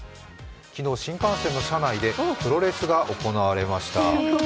昨日、新幹線の車内でプロレスが行われました。